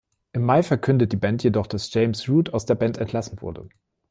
Im Mai verkündete die Band jedoch, dass James Root aus der Band entlassen wurde.